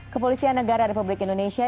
kepolisian negara republik indonesia